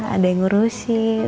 ada yang ngurusin